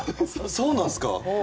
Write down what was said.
そうなんすか？